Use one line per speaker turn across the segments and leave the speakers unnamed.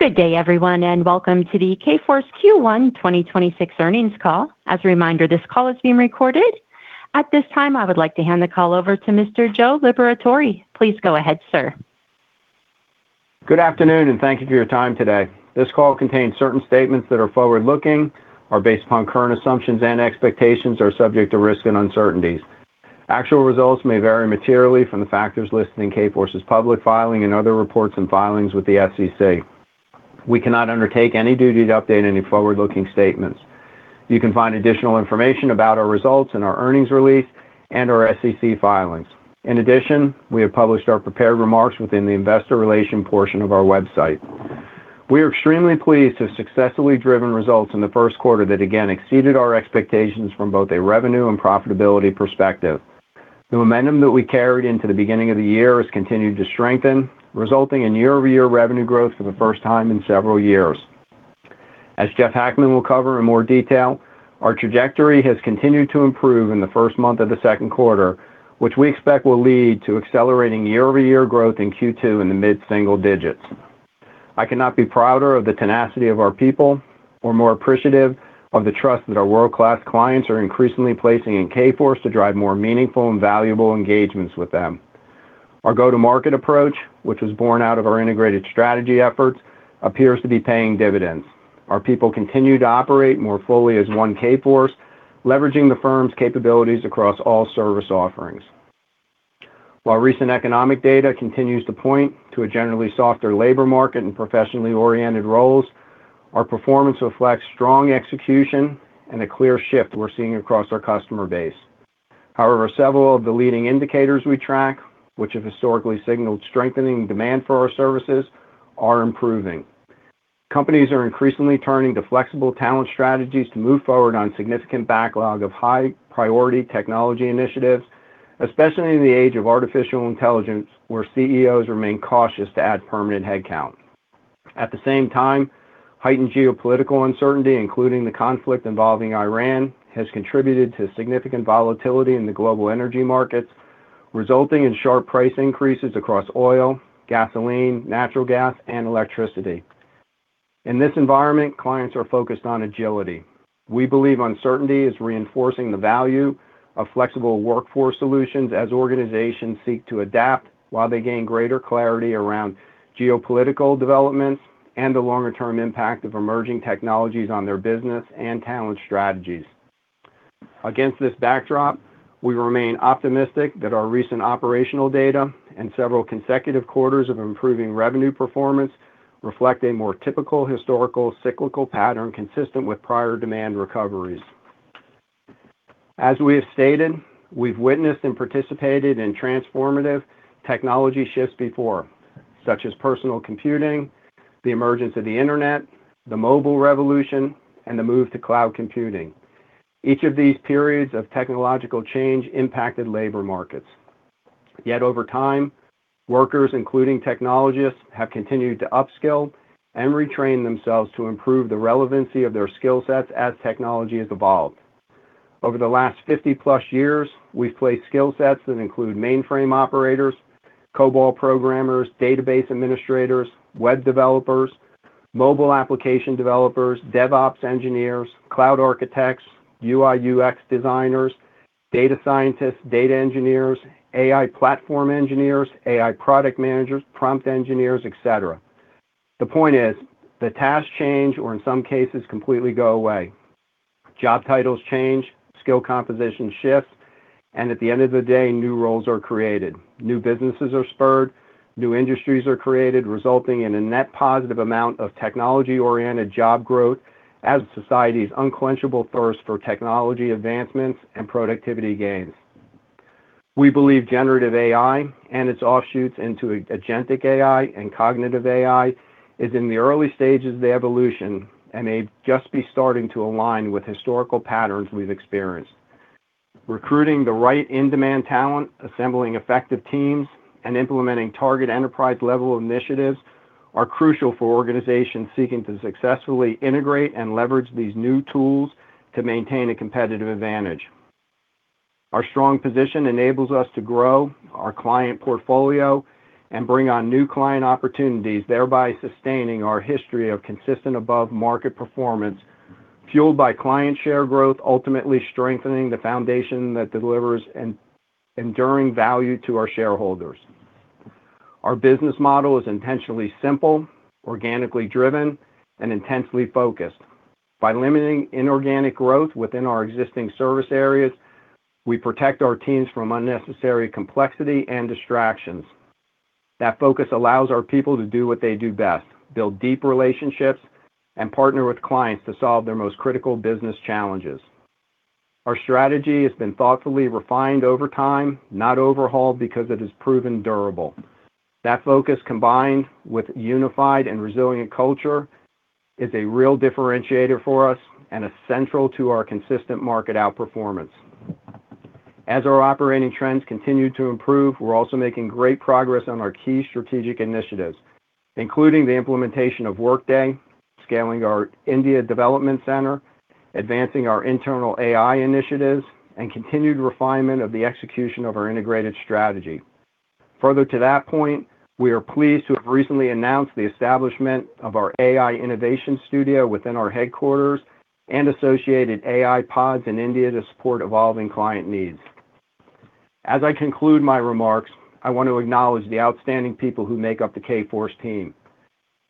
Good day, everyone, and welcome to the Kforce Q1 2026 earnings call. As a reminder, this call is being recorded. At this time, I would like to hand the call over to Mr. Joe Liberatore. Please go ahead, sir.
Good afternoon, and thank you for your time today. This call contains certain statements that are forward-looking, are based upon current assumptions and expectations, are subject to risk and uncertainties. Actual results may vary materially from the factors listed in Kforce's public filing and other reports and filings with the SEC. We cannot undertake any duty to update any forward-looking statements. You can find additional information about our results in our earnings release and our SEC filings. In addition, we have published our prepared remarks within the investor relation portion of our website. We are extremely pleased to have successfully driven results in the first quarter that again exceeded our expectations from both a revenue and profitability perspective. The momentum that we carried into the beginning of the year has continued to strengthen, resulting in year-over-year revenue growth for the first time in several years. As Jeff Hackman will cover in more detail, our trajectory has continued to improve in the first month of the second quarter, which we expect will lead to accelerating year-over-year growth in Q2 in the mid-single digits. I cannot be prouder of the tenacity of our people or more appreciative of the trust that our world-class clients are increasingly placing in Kforce to drive more meaningful and valuable engagements with them. Our go-to-market approach, which was born out of our integrated strategy efforts, appears to be paying dividends. Our people continue to operate more fully as one Kforce, leveraging the firm's capabilities across all service offerings. While recent economic data continues to point to a generally softer labor market in professionally oriented roles, our performance reflects strong execution and a clear shift we're seeing across our customer base. However, several of the leading indicators we track, which have historically signaled strengthening demand for our services, are improving. Companies are increasingly turning to flexible talent strategies to move forward on significant backlog of high-priority technology initiatives, especially in the age of artificial intelligence, where CEOs remain cautious to add permanent headcount. At the same time, heightened geopolitical uncertainty, including the conflict involving Iran, has contributed to significant volatility in the global energy markets, resulting in sharp price increases across oil, gasoline, natural gas, and electricity. In this environment, clients are focused on agility. We believe uncertainty is reinforcing the value of flexible workforce solutions as organizations seek to adapt while they gain greater clarity around geopolitical developments and the longer-term impact of emerging technologies on their business and talent strategies. Against this backdrop, we remain optimistic that our recent operational data and several consecutive quarters of improving revenue performance reflect a more typical historical cyclical pattern consistent with prior demand recoveries. As we have stated, we've witnessed and participated in transformative technology shifts before, such as personal computing, the emergence of the Internet, the mobile revolution, and the move to cloud computing. Each of these periods of technological change impacted labor markets. Yet over time, workers, including technologists, have continued to upskill and retrain themselves to improve the relevancy of their skill sets as technology has evolved. Over the last 50+ years, we've placed skill sets that include mainframe operators, COBOL programmers, database administrators, web developers, mobile application developers, DevOps engineers, cloud architects, UI UX designers, data scientists, data engineers, AI platform engineers, AI product managers, prompt engineers, et cetera. The point is that tasks change, or in some cases, completely go away. Job titles change, skill composition shifts, and at the end of the day, new roles are created. New businesses are spurred, new industries are created, resulting in a net positive amount of technology-oriented job growth as society's unquenchable thirst for technology advancements and productivity gains. We believe generative AI and its offshoots into agentic AI and cognitive AI is in the early stages of the evolution and may just be starting to align with historical patterns we've experienced. Recruiting the right in-demand talent, assembling effective teams, and implementing target enterprise-level initiatives are crucial for organizations seeking to successfully integrate and leverage these new tools to maintain a competitive advantage. Our strong position enables us to grow our client portfolio and bring on new client opportunities, thereby sustaining our history of consistent above-market performance fueled by client share growth, ultimately strengthening the foundation that delivers an enduring value to our shareholders. Our business model is intentionally simple, organically driven, and intensely focused. By limiting inorganic growth within our existing service areas, we protect our teams from unnecessary complexity and distractions. That focus allows our people to do what they do best, build deep relationships and partner with clients to solve their most critical business challenges. Our strategy has been thoughtfully refined over time, not overhauled because it has proven durable. That focus, combined with unified and resilient culture, is a real differentiator for us and essential to our consistent market outperformance. As our operating trends continue to improve, we're also making great progress on our key strategic initiatives, including the implementation of Workday, scaling our India Development Center, advancing our internal AI initiatives and continued refinement of the execution of our integrated strategy. Further to that point, we are pleased to have recently announced the establishment of our AI Innovation Studio within our headquarters and associated AI pods in India to support evolving client needs. As I conclude my remarks, I want to acknowledge the outstanding people who make up the Kforce team.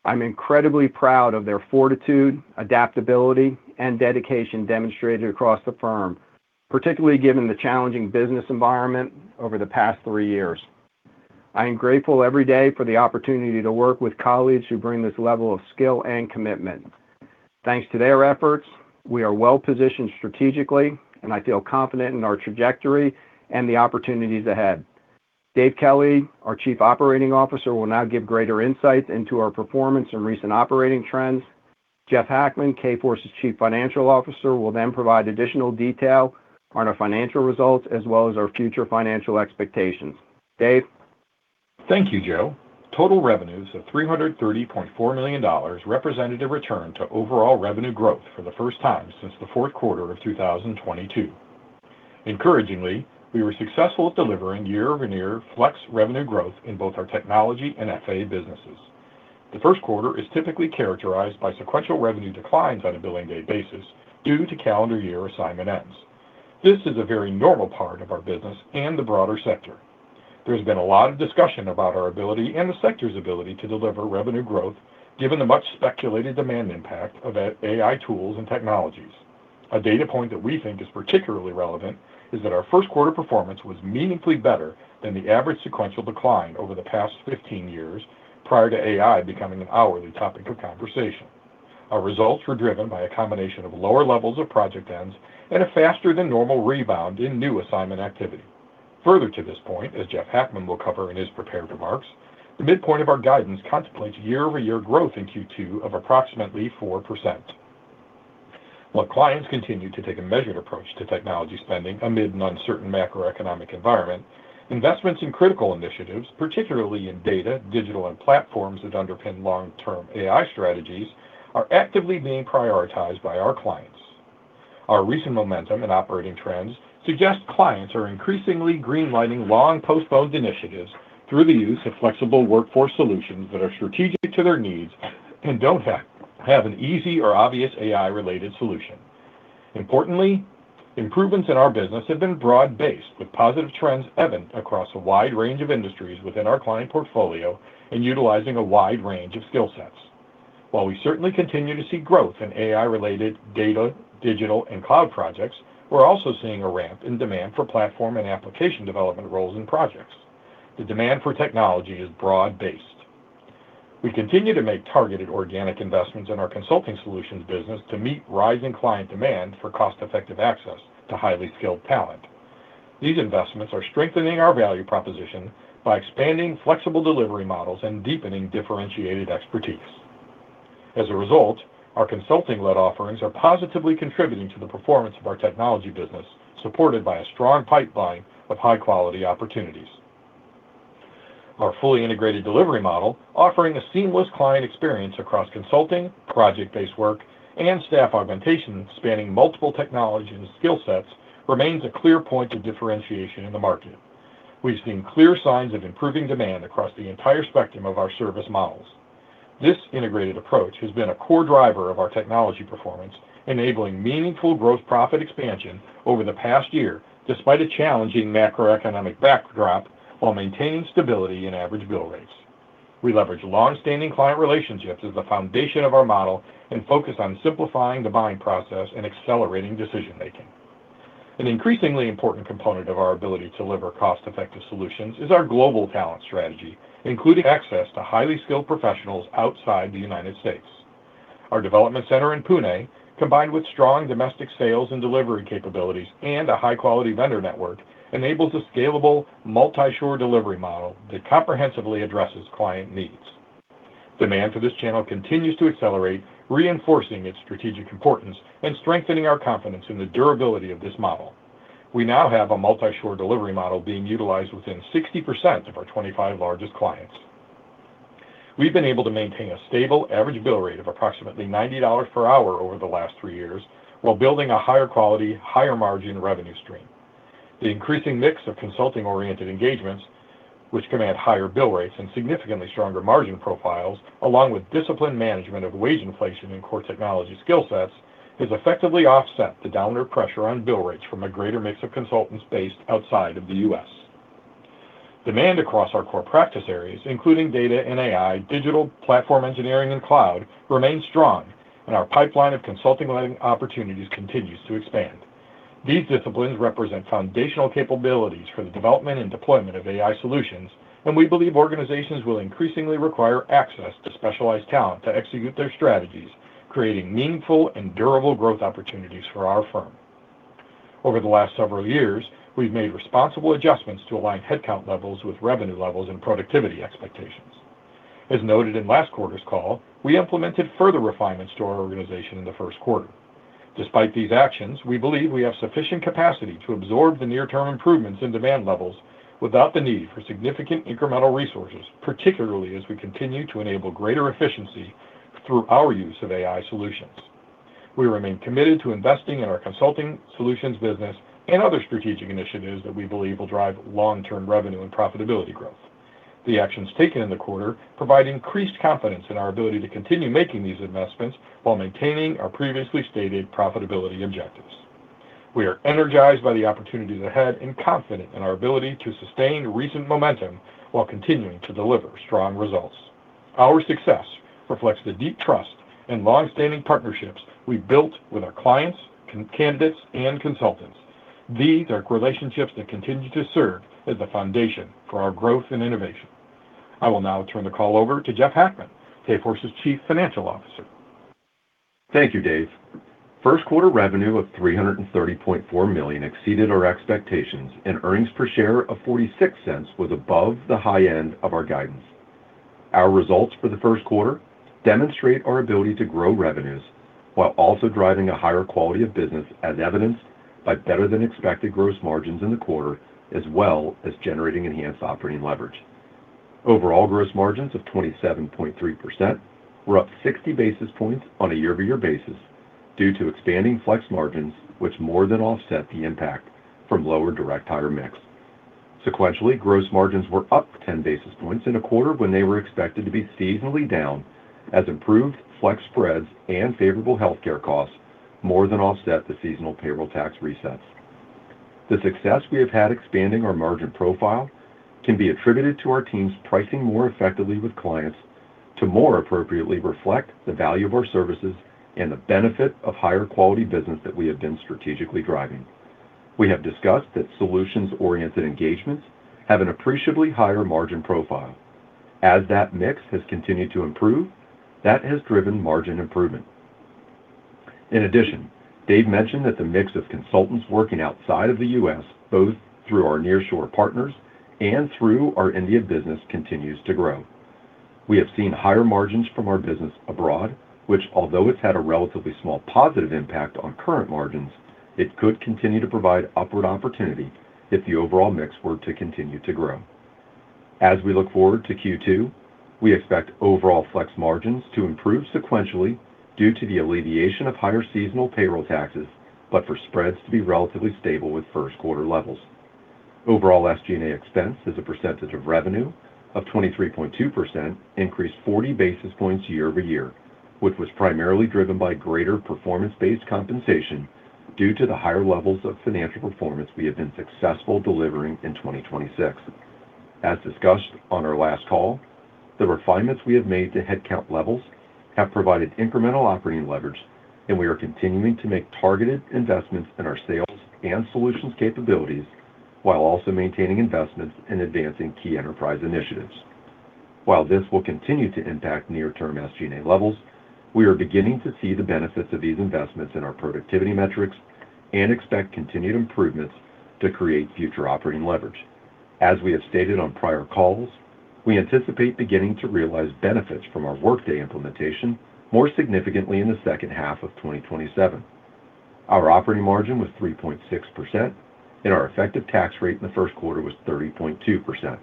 I'm incredibly proud of their fortitude, adaptability, and dedication demonstrated across the firm, particularly given the challenging business environment over the past three years. I am grateful every day for the opportunity to work with colleagues who bring this level of skill and commitment. Thanks to their efforts, we are well-positioned strategically, and I feel confident in our trajectory and the opportunities ahead. Dave Kelly, our Chief Operating Officer, will now give greater insights into our performance and recent operating trends. Jeff Hackman, Kforce's Chief Financial Officer, will then provide additional detail on our financial results as well as our future financial expectations. Dave?
Thank you, Joe. Total revenues of $330.4 million represented a return to overall revenue growth for the first time since the fourth quarter of 2022. Encouragingly, we were successful at delivering year-over-year flex revenue growth in both our technology and FA businesses. The first quarter is typically characterized by sequential revenue declines on a billing day basis due to calendar year assignment ends. This is a very normal part of our business and the broader sector. There has been a lot of discussion about our ability and the sector's ability to deliver revenue growth given the much-speculated demand impact of AI tools and technologies. A data point that we think is particularly relevant is that our first quarter performance was meaningfully better than the average sequential decline over the past 15 years prior to AI becoming an hourly topic of conversation. Our results were driven by a combination of lower levels of project ends and a faster-than-normal rebound in new assignment activity. Further to this point, as Jeff Hackman will cover in his prepared remarks, the midpoint of our guidance contemplates year-over-year growth in Q2 of approximately 4%. While clients continue to take a measured approach to technology spending amid an uncertain macroeconomic environment, investments in critical initiatives, particularly in data, digital, and platforms that underpin long-term AI strategies, are actively being prioritized by our clients. Our recent momentum and operating trends suggest clients are increasingly green-lighting long-postponed initiatives through the use of flexible workforce solutions that are strategic to their needs and don't have an easy or obvious AI-related solution. Importantly, improvements in our business have been broad-based, with positive trends evident across a wide range of industries within our client portfolio and utilizing a wide range of skill sets. While we certainly continue to see growth in AI-related data, digital, and cloud projects, we're also seeing a ramp in demand for platform and application development roles and projects. The demand for technology is broad-based. We continue to make targeted organic investments in our consulting solutions business to meet rising client demand for cost-effective access to highly skilled talent. These investments are strengthening our value proposition by expanding flexible delivery models and deepening differentiated expertise. As a result, our consulting-led offerings are positively contributing to the performance of our technology business, supported by a strong pipeline of high-quality opportunities. Our fully integrated delivery model, offering a seamless client experience across consulting, project-based work, and staff augmentation spanning multiple technologies and skill sets, remains a clear point of differentiation in the market. We've seen clear signs of improving demand across the entire spectrum of our service models. This integrated approach has been a core driver of our technology performance, enabling meaningful growth, profit expansion over the past year, despite a challenging macroeconomic backdrop while maintaining stability in average bill rates. We leverage long-standing client relationships as the foundation of our model and focus on simplifying the buying process and accelerating decision-making. An increasingly important component of our ability to deliver cost-effective solutions is our global talent strategy, including access to highly skilled professionals outside the United States. Our development center in Pune, combined with strong domestic sales and delivery capabilities and a high-quality vendor network, enables a scalable, multi-shore delivery model that comprehensively addresses client needs. Demand for this channel continues to accelerate, reinforcing its strategic importance and strengthening our confidence in the durability of this model. We now have a multi-shore delivery model being utilized within 60% of our 25 largest clients. We've been able to maintain a stable average bill rate of approximately $90 per hour over the last three years while building a higher-quality, higher-margin revenue stream. The increasing mix of consulting-oriented engagements, which command higher bill rates and significantly stronger margin profiles, along with disciplined management of wage inflation in core technology skill sets, has effectively offset the downward pressure on bill rates from a greater mix of consultants based outside of the U.S. Demand across our core practice areas, including data and AI, digital platform engineering, and cloud, remains strong, and our pipeline of consulting-led opportunities continues to expand. These disciplines represent foundational capabilities for the development and deployment of AI solutions, and we believe organizations will increasingly require access to specialized talent to execute their strategies, creating meaningful and durable growth opportunities for our firm. Over the last several years, we've made responsible adjustments to align headcount levels with revenue levels and productivity expectations. As noted in last quarter's call, we implemented further refinements to our organization in the first quarter. Despite these actions, we believe we have sufficient capacity to absorb the near-term improvements in demand levels. Without the need for significant incremental resources, particularly as we continue to enable greater efficiency through our use of AI solutions. We remain committed to investing in our consulting solutions business and other strategic initiatives that we believe will drive long-term revenue and profitability growth. The actions taken in the quarter provide increased confidence in our ability to continue making these investments while maintaining our previously stated profitability objectives. We are energized by the opportunities ahead and confident in our ability to sustain recent momentum while continuing to deliver strong results. Our success reflects the deep trust and long-standing partnerships we've built with our clients, candidates, and consultants. These are relationships that continue to serve as the foundation for our growth and innovation. I will now turn the call over to Jeff Hackman, Kforce's Chief Financial Officer.
Thank you, Dave. First quarter revenue of $330.4 million exceeded our expectations, and earnings per share of $0.46 was above the high end of our guidance. Our results for the first quarter demonstrate our ability to grow revenues while also driving a higher quality of business, as evidenced by better-than-expected gross margins in the quarter, as well as generating enhanced operating leverage. Overall gross margins of 27.3% were up 60 basis points on a year-over-year basis due to expanding flex margins, which more than offset the impact from lower direct hire mix. Sequentially, gross margins were up 10 basis points in a quarter when they were expected to be seasonally down as improved flex spreads and favorable healthcare costs more than offset the seasonal payroll tax resets. The success we have had expanding our margin profile can be attributed to our teams pricing more effectively with clients to more appropriately reflect the value of our services and the benefit of higher quality business that we have been strategically driving. We have discussed that solutions-oriented engagements have an appreciably higher margin profile. As that mix has continued to improve, that has driven margin improvement. In addition, Dave mentioned that the mix of consultants working outside of the U.S., both through our nearshore partners and through our India business, continues to grow. We have seen higher margins from our business abroad, which although it's had a relatively small positive impact on current margins, it could continue to provide upward opportunity if the overall mix were to continue to grow. As we look forward to Q2, we expect overall flex margins to improve sequentially due to the alleviation of higher seasonal payroll taxes, but for spreads to be relatively stable with first quarter levels. Overall, SG&A expense as a percentage of revenue of 23.2% increased 40 basis points year-over-year, which was primarily driven by greater performance-based compensation due to the higher levels of financial performance we have been successful delivering in 2026. As discussed on our last call, the refinements we have made to headcount levels have provided incremental operating leverage, and we are continuing to make targeted investments in our sales and solutions capabilities while also maintaining investments in advancing key enterprise initiatives. While this will continue to impact near-term SG&A levels, we are beginning to see the benefits of these investments in our productivity metrics and expect continued improvements to create future operating leverage. As we have stated on prior calls, we anticipate beginning to realize benefits from our Workday implementation more significantly in the second half of 2027. Our operating margin was 3.6% and our effective tax rate in the first quarter was 30.2%.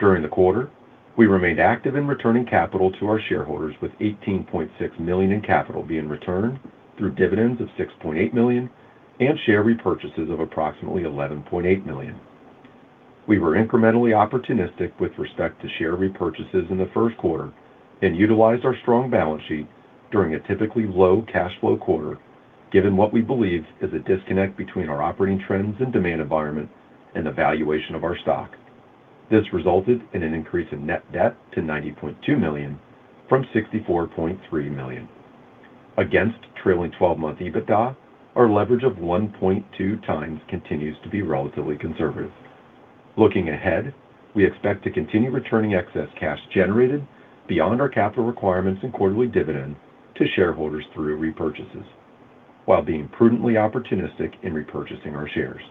During the quarter, we remained active in returning capital to our shareholders with $18.6 million in capital being returned through dividends of $6.8 million and share repurchases of approximately $11.8 million. We were incrementally opportunistic with respect to share repurchases in the first quarter and utilized our strong balance sheet during a typically low cash flow quarter, given what we believe is a disconnect between our operating trends and demand environment and the valuation of our stock. This resulted in an increase in net debt to $90.2 million from $64.3 million. Against trailing 12-month EBITDA, our leverage of 1.2x continues to be relatively conservative. Looking ahead, we expect to continue returning excess cash generated beyond our capital requirements and quarterly dividend to shareholders through repurchases while being prudently opportunistic in repurchasing our shares.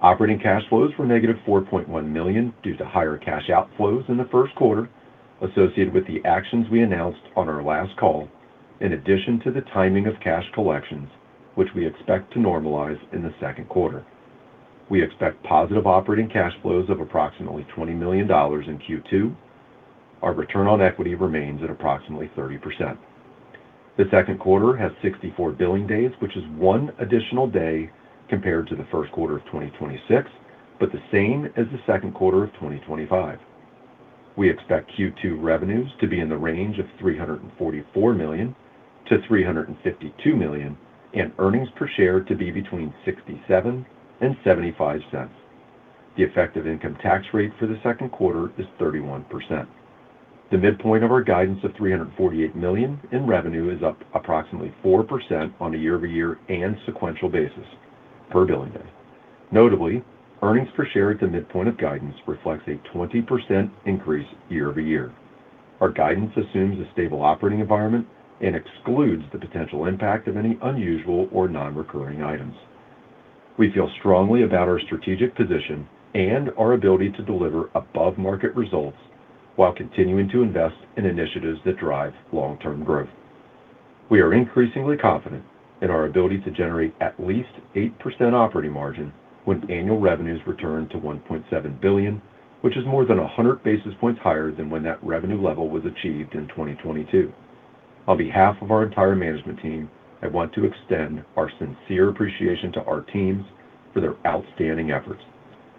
Operating cash flows were -$4.1 million due to higher cash outflows in the first quarter associated with the actions we announced on our last call, in addition to the timing of cash collections, which we expect to normalize in the second quarter. We expect positive operating cash flows of approximately $20 million in Q2. Our return on equity remains at approximately 30%. The second quarter has 64 billing days, which is one additional day compared to the first quarter of 2026, but the same as the second quarter of 2025. We expect Q2 revenues to be in the range of $344 million-$352 million and earnings per share to be between $0.67-$0.75. The effective income tax rate for the second quarter is 31%. The midpoint of our guidance of $348 million in revenue is up approximately 4% on a year-over-year and sequential basis per billing day. Notably, earnings per share at the midpoint of guidance reflects a 20% increase year-over-year. Our guidance assumes a stable operating environment and excludes the potential impact of any unusual or non-recurring items. We feel strongly about our strategic position and our ability to deliver above-market results while continuing to invest in initiatives that drive long-term growth. We are increasingly confident in our ability to generate at least 8% operating margin when annual revenues return to $1.7 billion, which is more than 100 basis points higher than when that revenue level was achieved in 2022. On behalf of our entire management team, I want to extend our sincere appreciation to our teams for their outstanding efforts.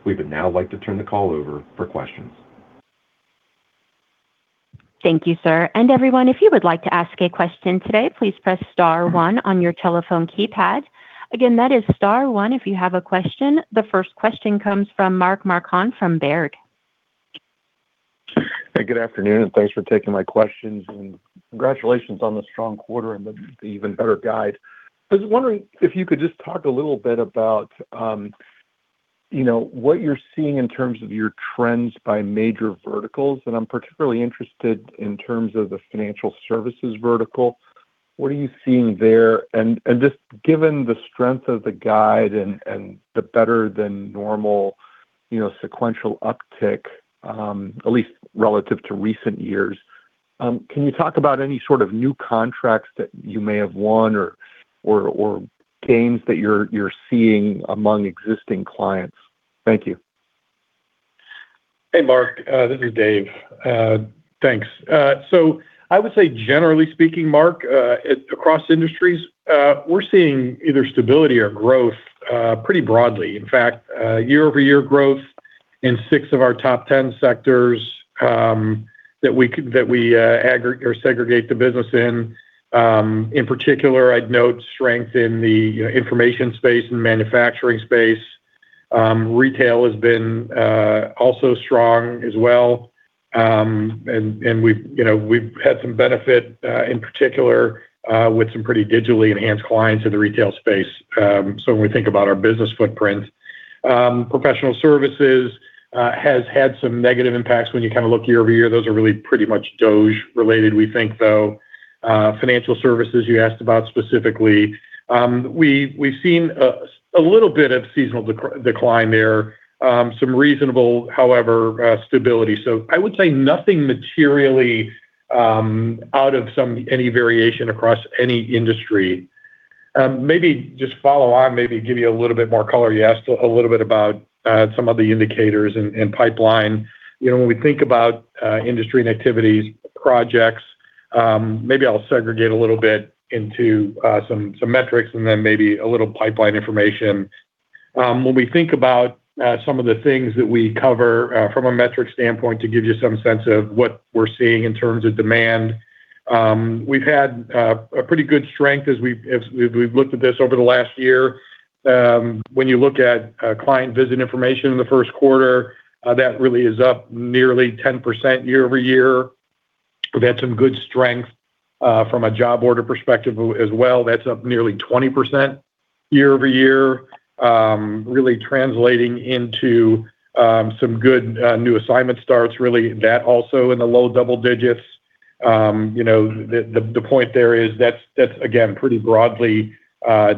We would now like to turn the call over for questions.
Thank you, sir. Everyone, if you would like to ask a question today, please press star one on your telephone keypad. Again, that is star one if you have a question. The first question comes from Mark Marcon from Baird.
Hey, good afternoon, and thanks for taking my questions, and congratulations on the strong quarter and the even better guide. I was wondering if you could just talk a little bit about, you know, what you're seeing in terms of your trends by major verticals, and I'm particularly interested in terms of the financial services vertical. What are you seeing there? Just given the strength of the guide and the better than normal, you know, sequential uptick, at least relative to recent years, can you talk about any sort of new contracts that you may have won or gains that you're seeing among existing clients? Thank you.
Hey, Mark. This is Dave. Thanks. I would say generally speaking, Mark, across industries, we're seeing either stability or growth pretty broadly. In fact, year-over-year growth in six of our top 10 sectors that we aggregate or segregate the business in. In particular, I'd note strength in the information space and manufacturing space. Retail has been also strong as well, and we've, you know, had some benefit in particular with some pretty digitally enhanced clients in the retail space, so when we think about our business footprint. Professional services has had some negative impacts when you kinda look year-over-year. Those are really pretty much DOGE-related, we think, though. Financial services, you asked about specifically, we've seen a little bit of seasonal decline there, some reasonable however stability. I would say nothing materially out of any variation across any industry. Maybe just follow on maybe give you a little bit more color. You asked a little bit about some of the indicators and pipeline. You know, when we think about industry and activities, projects, maybe I'll segregate a little bit into some metrics and then maybe a little pipeline information. When we think about some of the things that we cover from a metric standpoint to give you some sense of what we're seeing in terms of demand, we've had a pretty good strength as we've looked at this over the last year. When you look at client visit information in the first quarter, that really is up nearly 10% year-over-year. We've had some good strength from a job order perspective as well. That's up nearly 20% year-over-year, really translating into some good new assignment starts really that also in the low double digits. You know, the point there is that's again pretty broadly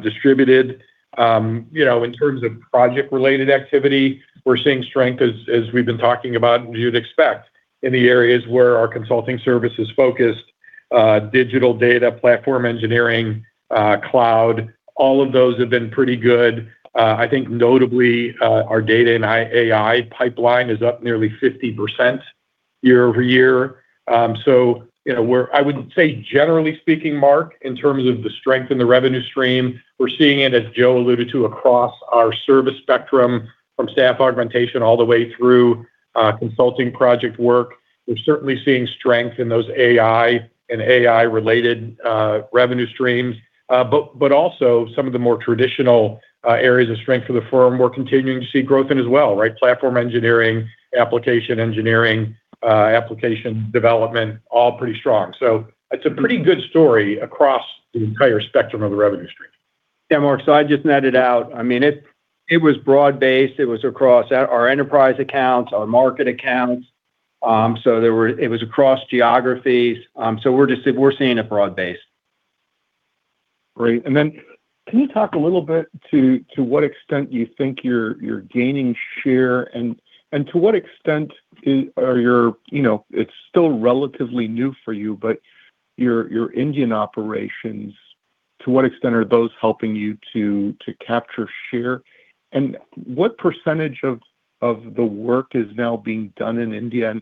distributed. You know, in terms of project-related activity, we're seeing strength as we've been talking about and you'd expect in the areas where our consulting service is focused digital data, platform engineering, cloud, all of those have been pretty good. I think notably, our data and AI pipeline is up nearly 50% year-over-year. You know, we're. I would say generally speaking Mark, in terms of the strength in the revenue stream, we're seeing it, as Joe alluded to, across our service spectrum from staff augmentation all the way through, consulting project work. We're certainly seeing strength in those AI and AI-related revenue streams. But also some of the more traditional areas of strength for the firm we're continuing to see growth in as well, right? Platform engineering, application engineering, application development, all pretty strong. It's a pretty good story across the entire spectrum of the revenue stream.
Yeah, Mark. I'd just net it out. I mean it was broad-based. It was across our enterprise accounts, our market accounts. It was across geographies. We're seeing it broad-based.
Great. Can you talk a little bit to what extent you think you're gaining share and to what extent are your, you know, it's still relatively new for you, but your Indian operations, to what extent are those helping you to capture share? What percentage of the work is now being done in India?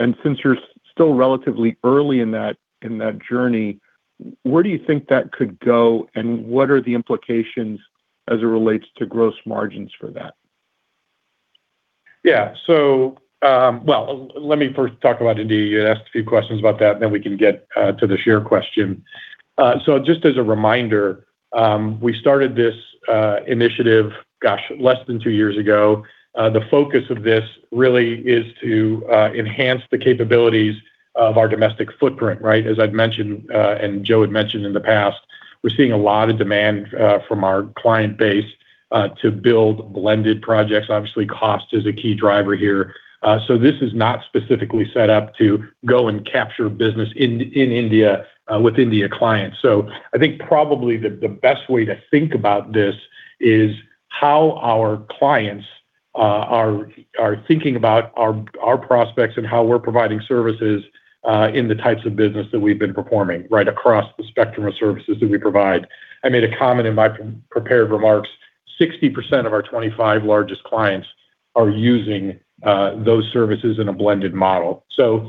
Since you're still relatively early in that journey, where do you think that could go, and what are the implications as it relates to gross margins for that?
Let me first talk about India. You asked a few questions about that, then we can get to the share question. Just as a reminder, we started this initiative, gosh, less than two years ago. The focus of this really is to enhance the capabilities of our domestic footprint, right? As I'd mentioned and Joe had mentioned in the past, we're seeing a lot of demand from our client base to build blended projects. Obviously, cost is a key driver here. This is not specifically set up to go and capture business in India with India clients. I think probably the best way to think about this is how our clients are thinking about our prospects and how we're providing services in the types of business that we've been performing right across the spectrum of services that we provide. I made a comment in my pre-prepared remarks. 60% of our 25 largest clients are using those services in a blended model.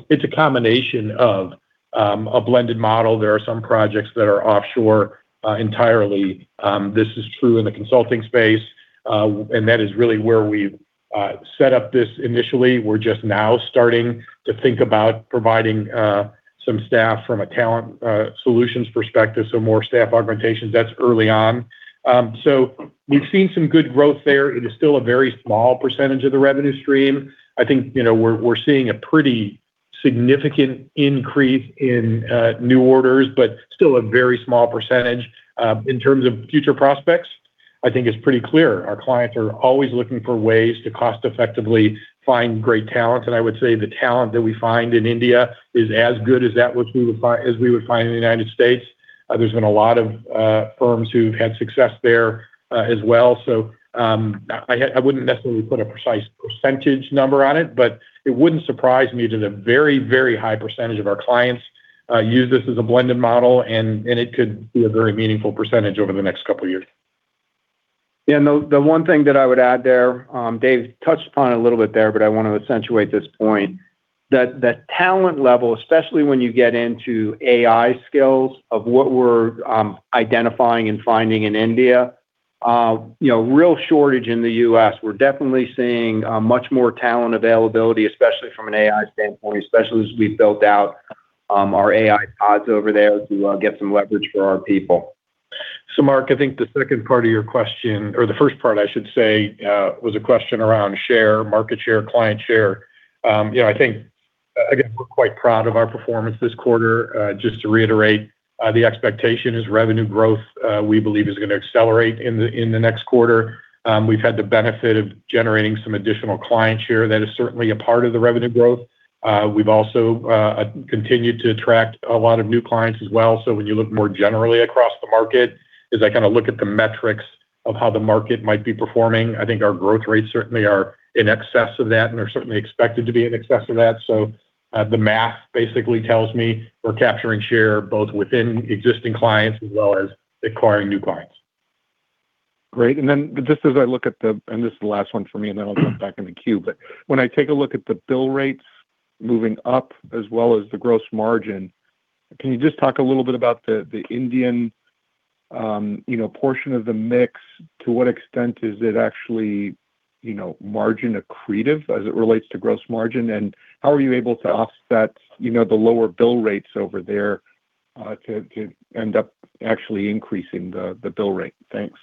It's a combination of a blended model. There are some projects that are offshore entirely. This is true in the consulting space and that is really where we've set up this initially. We're just now starting to think about providing some staff from a talent solutions perspective. More staff augmentations, that's early on. We've seen some good growth there. It is still a very small percentage of the revenue stream. I think, you know, we're seeing a pretty significant increase in new orders, but still a very small percentage. In terms of future prospects, I think it's pretty clear our clients are always looking for ways to cost-effectively find great talent, and I would say the talent that we find in India is as good as that which we would find in the United States. There's been a lot of firms who've had success there, as well. I wouldn't necessarily put a precise percentage number on it, but it wouldn't surprise me that a very, very high percentage of our clients use this as a blended model. It could be a very meaningful percentage over the next couple of years.
The one thing that I would add there, Dave touched upon a little bit there, but I wanna accentuate this point. That talent level, especially when you get into AI skills of what we're identifying and finding in India, you know, real shortage in the U.S. We're definitely seeing much more talent availability, especially from an AI standpoint, especially as we've built out our AI pods over there to get some leverage for our people.
Mark, I think the second part of your question, or the first part I should say, was a question around share, market share, client share. You know, I think, again, we're quite proud of our performance this quarter. Just to reiterate, the expectation is revenue growth, we believe is gonna accelerate in the next quarter. We've had the benefit of generating some additional clients here. That is certainly a part of the revenue growth. We've also continued to attract a lot of new clients as well. When you look more generally across the market, as I kinda look at the metrics of how the market might be performing, I think our growth rates certainly are in excess of that and are certainly expected to be in excess of that. The math basically tells me we're capturing share both within existing clients as well as acquiring new clients.
Great. This is the last one for me, and then I'll jump back in the queue. When I take a look at the bill rates moving up as well as the gross margin, can you just talk a little bit about the Indian, you know portion of the mix? To what extent is it actually, you know margin accretive as it relates to gross margin? How are you able to offset, you know, the lower bill rates over there, to end up actually increasing the bill rate? Thanks.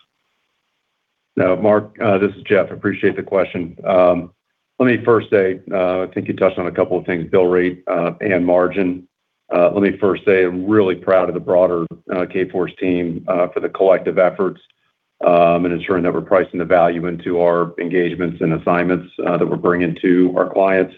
Mark, this is Jeff. Appreciate the question. Let me first say, I think you touched on a couple of things, bill rate, and margin. Let me first say I'm really proud of the broader, Kforce team, for the collective efforts, in ensuring that we're pricing the value into our engagements and assignments, that we're bringing to our clients.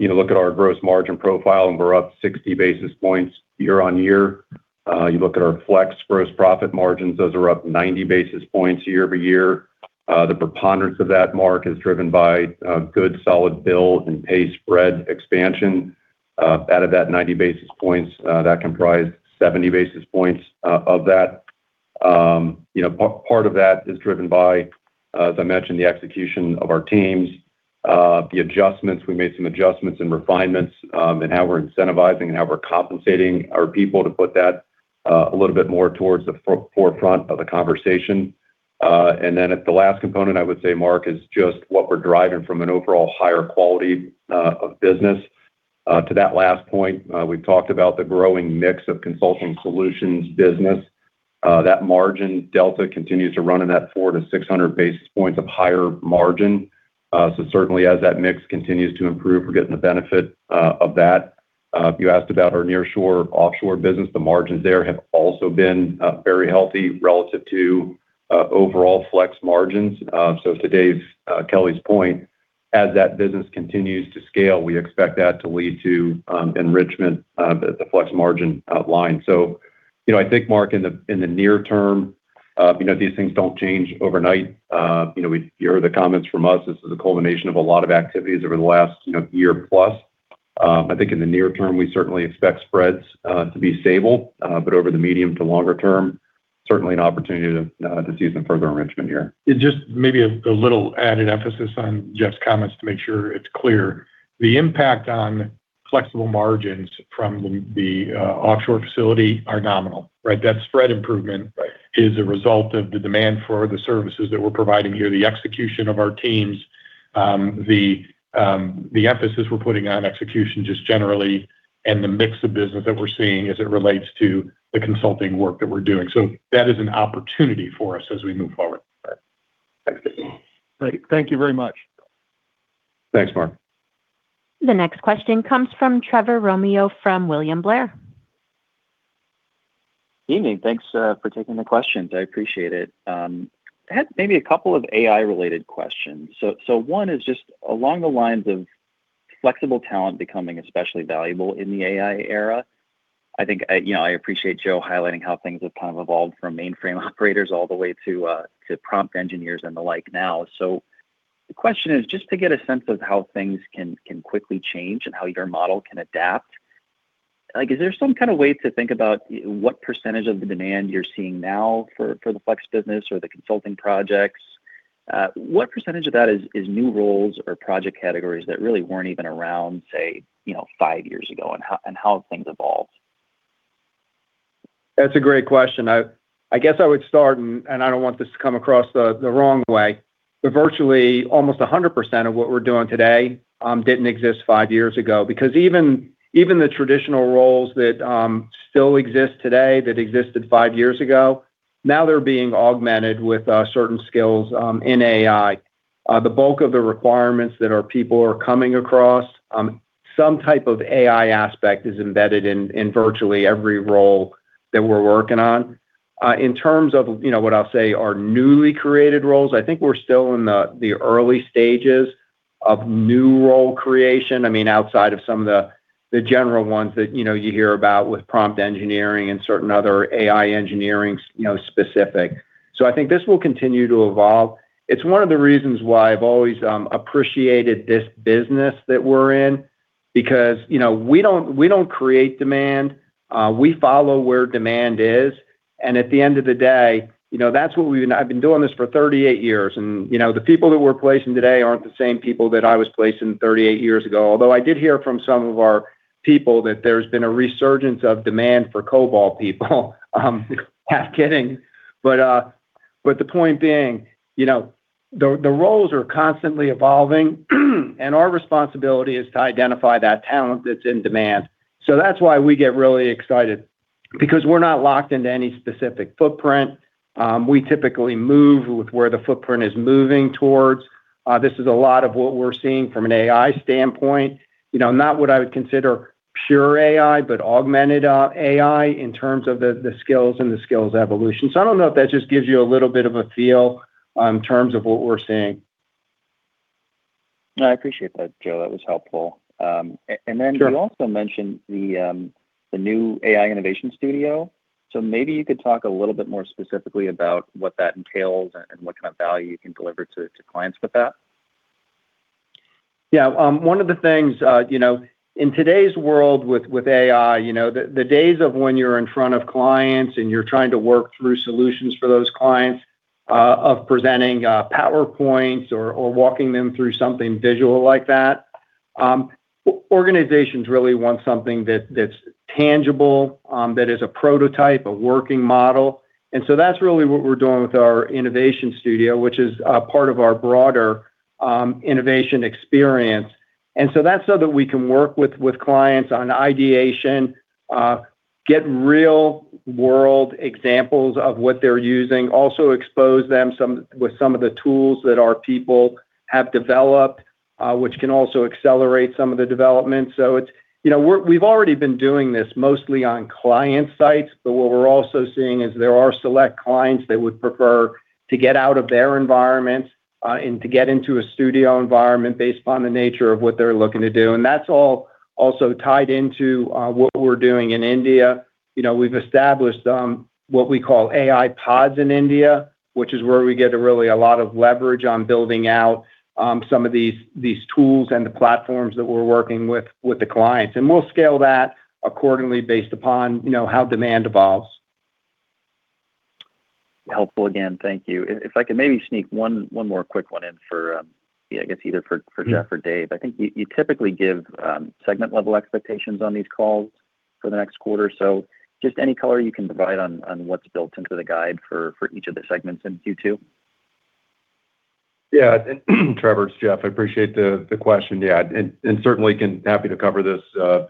You know, look at our gross margin profile, and we're up 60 basis points year-over-year. You look at our flex gross profit margins, those are up 90 basis points year-over-year. The preponderance of that, Mark, is driven by, good solid bill and pay spread expansion. Out of that 90 basis points, that comprised 70 basis points, of that. You know, part of that is driven by, as I mentioned, the execution of our teams. We made some adjustments and refinements in how we're incentivizing and how we're compensating our people to put that a little bit more towards the forefront of the conversation. At the last component, I would say Mark, is just what we're driving from an overall higher quality of business. To that last point, we've talked about the growing mix of consulting solutions business. That margin delta continues to run in that 400-600 basis points of higher margin. Certainly as that mix continues to improve, we're getting the benefit of that. You asked about our nearshore-offshore business. The margins there have also been very healthy relative to overall flex margins. To Dave Kelly's point, as that business continues to scale, we expect that to lead to enrichment of the flex margin outlook. You know, I think Mark in the near term, you know, these things don't change overnight. You know, we hear the comments from us. This is a culmination of a lot of activities over the last, you know, year plus. I think in the near term, we certainly expect spreads to be stable. Over the medium to longer term, certainly an opportunity to see some further enrichment here.
Just maybe a little added emphasis on Jeff's comments to make sure it's clear. The impact on flexible margins from the offshore facility are nominal, right? That spread improvement.
Right
Is a result of the demand for the services that we're providing here, the execution of our teams, the emphasis we're putting on execution just generally, and the mix of business that we're seeing as it relates to the consulting work that we're doing. That is an opportunity for us as we move forward.
Right. Thank you.
Great. Thank you very much.
Thanks, Mark.
The next question comes from Trevor Romeo from William Blair.
Evening. Thanks for taking the questions. I appreciate it. I had maybe a couple of AI-related questions. One is just along the lines of flexible talent becoming especially valuable in the AI era. I think, you know, I appreciate Joe highlighting how things have kind of evolved from mainframe operators all the way to prompt engineers and the like now. The question is just to get a sense of how things can quickly change and how your model can adapt. Like, is there some kind of way to think about what percentage of the demand you're seeing now for the flex business or the consulting projects? What percentage of that is new roles or project categories that really weren't even around, say, you know, five years ago and how have things evolved?
That's a great question. I guess I would start, and I don't want this to come across the wrong way, but virtually almost 100% of what we're doing today didn't exist five years ago. Because even the traditional roles that still exist today, that existed five years ago, now they're being augmented with certain skills in AI. The bulk of the requirements that our people are coming across, some type of AI aspect is embedded in virtually every role that we're working on. In terms of you know what I'll say are newly created roles, I think we're still in the early stages of new role creation. I mean, outside of some of the general ones that you know, you hear about with prompt engineering and certain other AI engineering, you know, specific. I think this will continue to evolve. It's one of the reasons why I've always appreciated this business that we're in because, you know, we don't create demand. We follow where demand is, and at the end of the day, you know that's what I've been doing this for 38 years and, you know, the people that we're placing today aren't the same people that I was placing 38 years ago. Although I did hear from some of our people that there's been a resurgence of demand for COBOL people. Half kidding, but the point being, you know, the roles are constantly evolving, and our responsibility is to identify that talent that's in demand. That's why we get really excited because we're not locked into any specific footprint. We typically move with where the footprint is moving towards. This is a lot of what we're seeing from an AI standpoint. You know, not what I would consider pure AI, but augmented AI in terms of the skills and the skills evolution. I don't know if that just gives you a little bit of a feel in terms of what we're seeing.
I appreciate that, Joe. That was helpful.
Sure.
You also mentioned the new AI innovation studio. Maybe you could talk a little bit more specifically about what that entails and what kind of value you can deliver to clients with that?
Yeah. One of the things, you know, in today's world with AI, you know, the days of when you're in front of clients and you're trying to work through solutions for those clients, of presenting PowerPoints or walking them through something visual like that, organizations really want something that's tangible, that is a prototype, a working model. That's really what we're doing with our innovation studio, which is part of our broader innovation experience. That's so that we can work with clients on ideation, get real world examples of what they're using, also expose them some with some of the tools that our people have developed, which can also accelerate some of the development. It's, you know. We've already been doing this mostly on client sites, but what we're also seeing is there are select clients that would prefer to get out of their environment and to get into a studio environment based upon the nature of what they're looking to do. That's all also tied into what we're doing in India. You know, we've established what we call AI pods in India, which is where we get really a lot of leverage on building out some of these tools and the platforms that we're working with the clients. We'll scale that accordingly based upon, you know, how demand evolves.
Helpful again. Thank you. If I could maybe sneak one more quick one in for, I guess either for Jeff or Dave. I think you typically give segment-level expectations on these calls for the next quarter. Just any color you can provide on what's built into the guide for each of the segments in Q2.
Trevor, it's Jeff. I appreciate the question. Certainly happy to cover this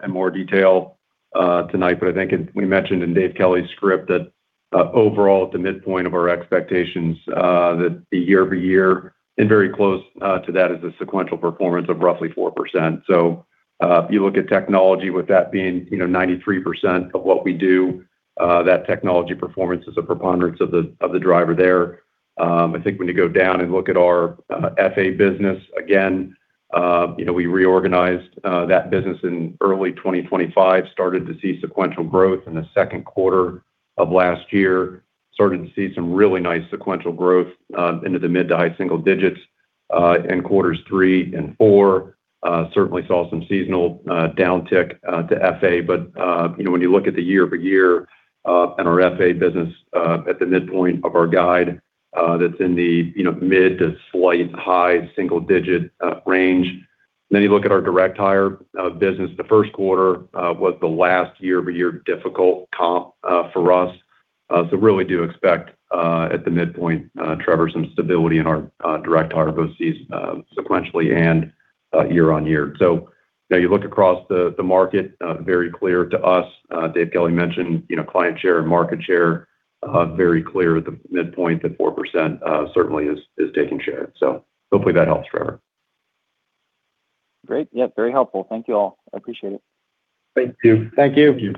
in more detail tonight, but I think as we mentioned in Dave Kelly's script, overall at the midpoint of our expectations, the year-over-year and very close to that is the sequential performance of roughly 4%. If you look at technology with that being, you know, 93% of what we do, that technology performance is a preponderance of the driver there. I think when you go down and look at our FA business, again, you know, we reorganized that business in early 2025, started to see sequential growth in the second quarter of last year. Started to see some really nice sequential growth into the mid- to high-single-digits in quarters three and four. Certainly saw some seasonal downtick to FA. You know, when you look at the year-over-year and our FA business at the midpoint of our guide, that's in the mid- to slightly high-single-digit range. You look at our direct hire business. The first quarter was the last year-over-year difficult comp for us. Really do expect at the midpoint, Trevor, some stability in our direct hire VCs sequentially and year-over-year. You know, you look across the market, very clear to us. Dave Kelly mentioned, you know, client share and market share, very clear at the midpoint that 4% certainly is taking share. Hopefully that helps, Trevor.
Great. Yeah, very helpful. Thank you all. I appreciate it.
Thank you.
Thank you.
Thank you.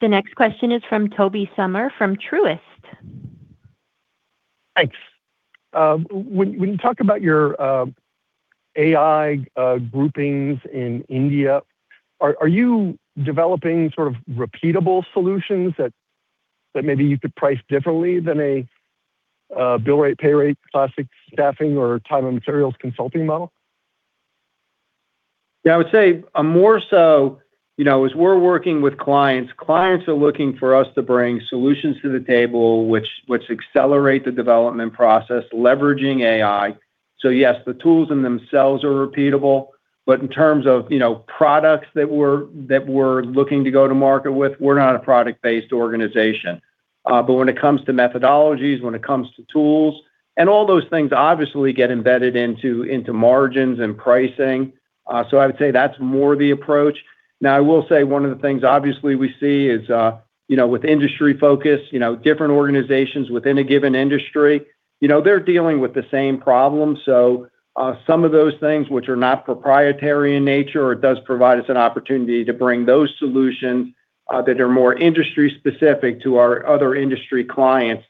The next question is from Tobey Sommer from Truist.
Thanks. When you talk about your AI groupings in India, are you developing sort of repeatable solutions that maybe you could price differently than a bill rate, pay rate, classic staffing or time and materials consulting model?
Yeah, I would say more so, you know, as we're working with clients are looking for us to bring solutions to the table which accelerate the development process, leveraging AI. Yes, the tools in themselves are repeatable, but in terms of, you know, products that we're looking to go to market with, we're not a product-based organization. When it comes to methodologies, when it comes to tools, and all those things obviously get embedded into margins and pricing, I would say that's more the approach. Now, I will say one of the things obviously we see is, you know, with industry focus, you know, different organizations within a given industry, you know, they're dealing with the same problems. Some of those things which are not proprietary in nature, it does provide us an opportunity to bring those solutions that are more industry specific to our other industry clients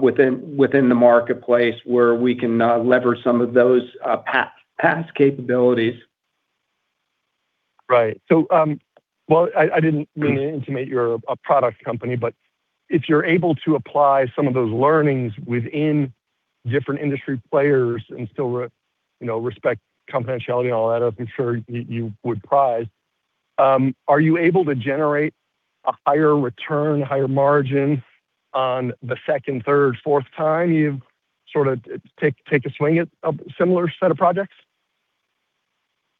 within the marketplace, where we can leverage some of those past capabilities.
Well, I didn't mean to insinuate you're a product company, but if you're able to apply some of those learnings within different industry players and still, you know, respect confidentiality and all that, I'm sure you would price. Are you able to generate a higher return, higher margin on the second, third, fourth time you sort of take a swing at a similar set of projects?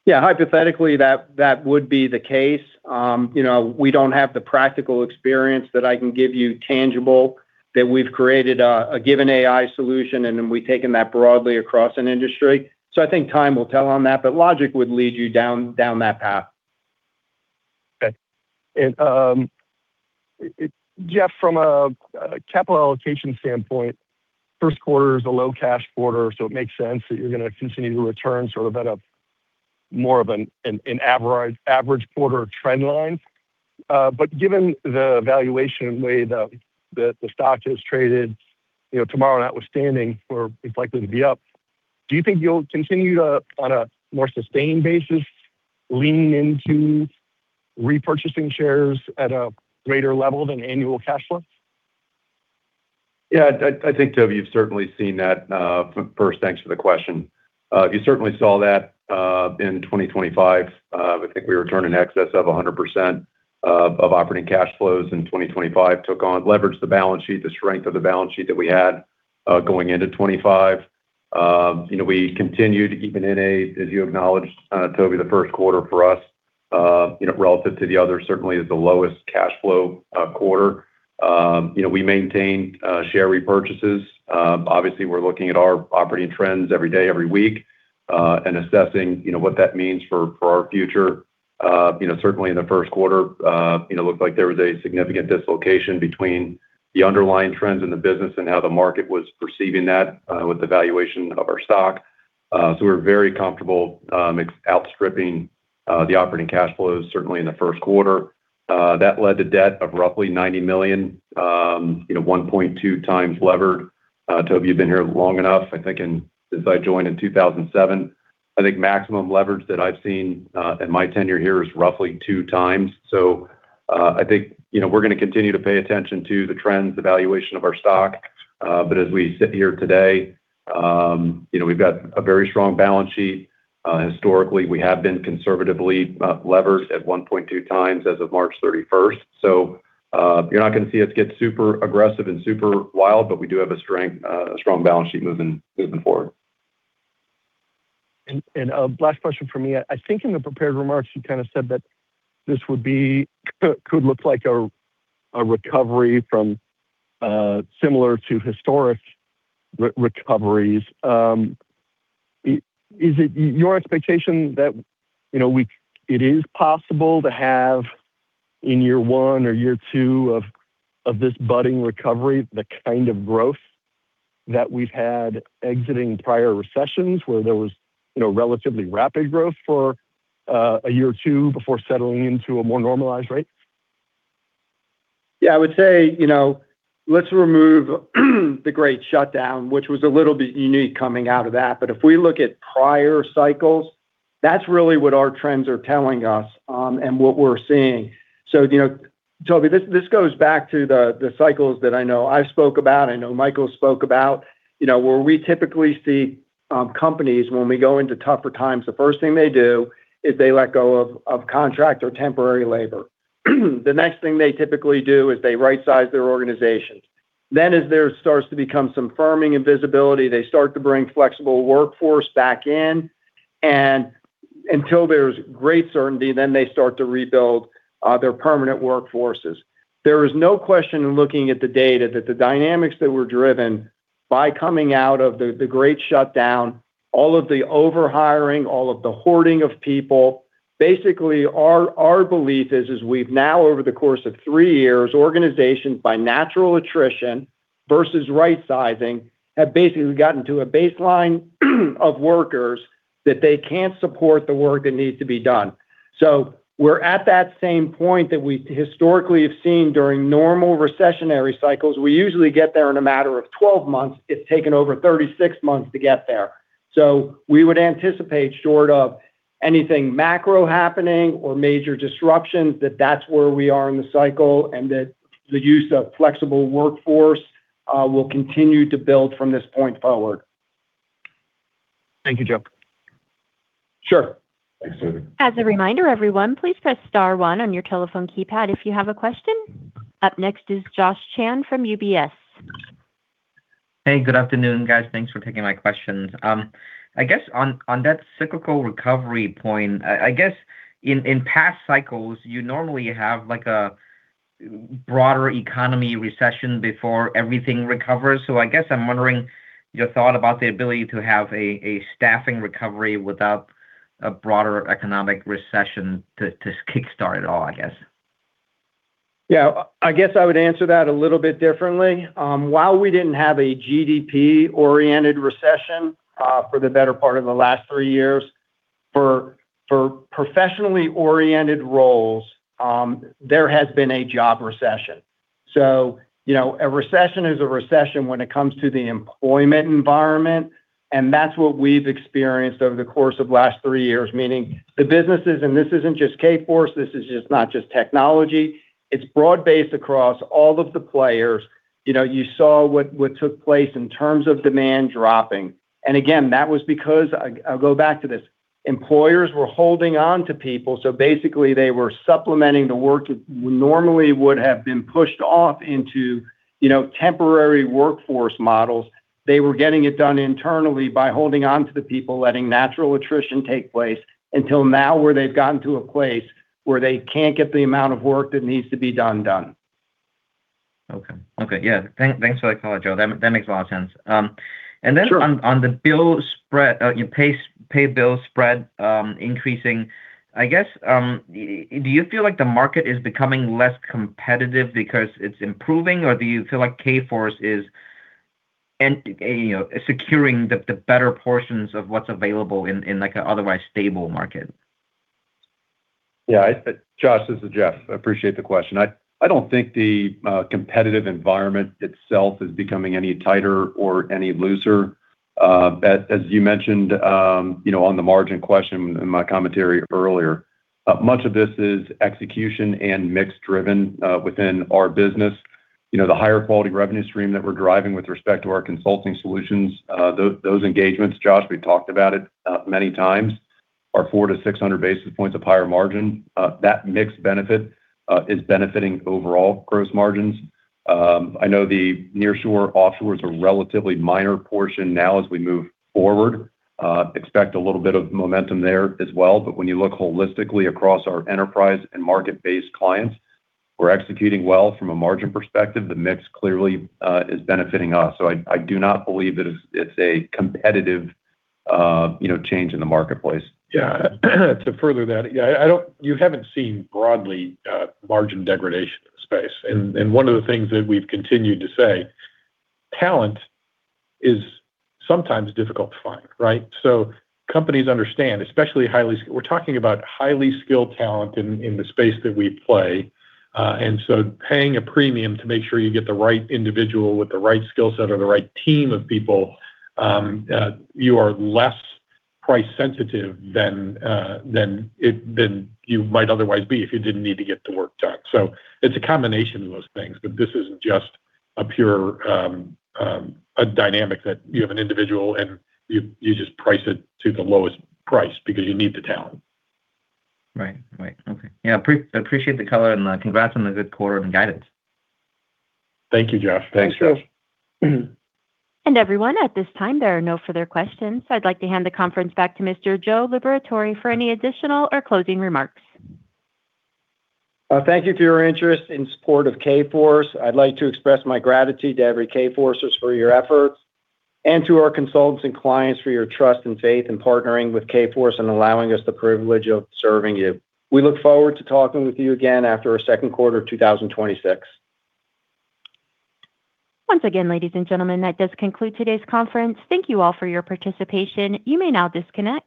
Yeah, hypothetically, that would be the case. You know, we don't have the practical experience that I can give you tangible that we've created a given AI solution, and then we've taken that broadly across an industry. I think time will tell on that, but logic would lead you down that path.
Okay. Jeff, from a capital allocation standpoint, first quarter is a low-cash quarter, so it makes sense that you're gonna continue to return at a more average quarter trend line. Given the valuation, the way that the stock has traded, you know, tomorrow notwithstanding where it's likely to be up, do you think you'll continue on a more sustained basis lean into repurchasing shares at a greater level than annual cash flow?
Yeah. I think, Tobey, you've certainly seen that. First, thanks for the question. You certainly saw that in 2025. I think we returned in excess of 100% of operating cash flows in 2025, leveraged the balance sheet, the strength of the balance sheet that we had going into 2025. You know, we continued even in, as you acknowledged, Tobey, the first quarter for us, you know relative to the others certainly is the lowest cash flow quarter. You know, we maintained share repurchases. Obviously, we're looking at our operating trends every day every week and assessing, you know, what that means for our future. You know, certainly in the first quarter, you know, looked like there was a significant dislocation between the underlying trends in the business and how the market was perceiving that, with the valuation of our stock. We're very comfortable outstripping the operating cash flows certainly in the first quarter. That led to debt of roughly $90 million, you know, 1.2x levered. Tobey, you've been here long enough. I think since I joined in 2007, I think maximum leverage that I've seen in my tenure here is roughly 2x. I think, you know, we're gonna continue to pay attention to the trends, the valuation of our stock. As we sit here today, you know, we've got a very strong balance sheet. Historically, we have been conservatively levered at 1.2x as of March 31. You're not gonna see us get super aggressive and super wild, but we do have a strong balance sheet moving forward.
Last question from me. I think in the prepared remarks you kind of said that this could look like a recovery from similar to historic recoveries. Is it your expectation that, you know, it is possible to have in year one or year two of this budding recovery, the kind of growth that we've had exiting prior recessions, where there was, you know, relatively rapid growth for a year or two before settling into a more normalized rate?
Yeah, I would say you know let's remove the great shutdown, which was a little bit unique coming out of that. If we look at prior cycles that's really what our trends are telling us, and what we're seeing. You know, Tobey this goes back to the cycles that I know I spoke about, I know Michael spoke about, you know, where we typically see companies when we go into tougher times, the first thing they do is they let go of contract or temporary labor. The next thing they typically do is they right-size their organizations. Then as there starts to become some firming and visibility, they start to bring flexible workforce back in, and until there's great certainty, then they start to rebuild their permanent workforces. There is no question in looking at the data that the dynamics that were driven by coming out of the great shutdown, all of the over-hiring, all of the hoarding of people. Basically our belief is we've now over the course of three years, organizations by natural attrition versus right-sizing, have basically gotten to a baseline of workers that they can't support the work that needs to be done. We're at that same point that we historically have seen during normal recessionary cycles. We usually get there in a matter of 12 months. It's taken over 36 months to get there. We would anticipate short of anything macro happening or major disruptions, that that is where we are in the cycle, and that the use of flexible workforce will continue to build from this point forward.
Thank you, Joe.
Sure.
Thanks.
As a reminder, everyone, please press star one on your telephone keypad if you have a question. Up next is Josh Chan from UBS.
Hey, good afternoon, guys. Thanks for taking my questions. I guess on that cyclical recovery point, I guess in past cycles, you normally have, like, a broader economic recession before everything recovers. I guess I'm wondering your thought about the ability to have a staffing recovery without a broader economic recession to kickstart it all, I guess.
Yeah. I guess I would answer that a little bit differently. While we didn't have a GDP-oriented recession, for the better part of the last three years, for professionally oriented roles, there has been a job recession. You know, a recession is a recession when it comes to the employment environment, and that's what we've experienced over the course of last three years, meaning the businesses, and this isn't just Kforce, this is not just technology, it's broad based across all of the players. You know, you saw what took place in terms of demand dropping. Again, that was because I'll go back to this, employers were holding on to people, so basically they were supplementing the work that normally would have been pushed off into, you know, temporary workforce models. They were getting it done internally by holding on to the people, letting natural attrition take place until now, where they've gotten to a place where they can't get the amount of work that needs to be done.
Okay. Yeah. Thanks for the color, Joe. That makes a lot of sense. And then.
Sure
On the pay/bill spread increasing, I guess, do you feel like the market is becoming less competitive because it's improving, or do you feel like Kforce is you know, securing the better portions of what's available in like an otherwise stable market?
Yeah. Josh, this is Jeff. Appreciate the question. I don't think the competitive environment itself is becoming any tighter or any looser. As you mentioned, you know, on the margin question in my commentary earlier, much of this is execution and mix driven within our business. You know, the higher quality revenue stream that we're driving with respect to our consulting solutions, those engagements, Josh, we talked about it many times, are 400-600 basis points of higher margin. That mix benefit is benefiting overall gross margins. I know the near shore offshores are a relatively minor portion now as we move forward. Expect a little bit of momentum there as well. But when you look holistically across our enterprise and market-based clients, we're executing well from a margin perspective. The mix clearly is benefiting us. I do not believe that it's a competitive, you know, change in the marketplace.
To further that, you haven't seen broadly margin degradation in the space. One of the things that we've continued to say, talent is sometimes difficult to find, right? Companies understand, especially. We're talking about highly skilled talent in the space that we play, and so paying a premium to make sure you get the right individual with the right skill set or the right team of people, you are less price-sensitive than you might otherwise be if you didn't need to get the work done. It's a combination of those things. This isn't just a pure dynamic that you have an individual and you just price it to the lowest price because you need the talent.
Right. Okay. Yeah, appreciate the color and congrats on the good quarter and guidance.
Thank you, Josh.
Thanks, Josh.
Everyone, at this time, there are no further questions. I'd like to hand the conference back to Mr. Joe Liberatore for any additional or closing remarks.
Thank you for your interest in support of Kforce. I'd like to express my gratitude to every Kforcers for your efforts and to our consultants and clients for your trust and faith in partnering with Kforce and allowing us the privilege of serving you. We look forward to talking with you again after our second quarter of 2026.
Once again, ladies and gentlemen, that does conclude today's conference. Thank you all for your participation. You may now disconnect.